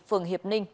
phường hiệp ninh